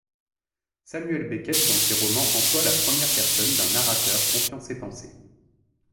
Samuel Beckett dans ses romans emploie la première personne d'un narrateur confiant ses pensées.